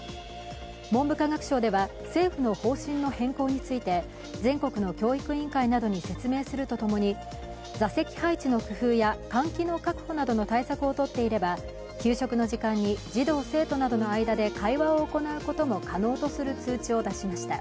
文部科学省では政府の方針の変更について全国の教育委員会などに説明するとともに座席配置の工夫や換気の確保などの対策を取っていれば給食の時間に児童・生徒などの間で会話を行うことも可能とする通知を出しました。